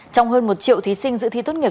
trong hơn một triệu thí sinh dự thi tốt nghiệp